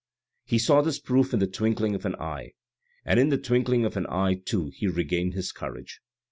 He saw this proof in the twinkling of an eye, and in the twinkling of an eye too, he regained his courage.